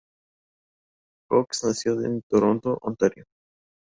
Cox nació en Toronto, Ontario.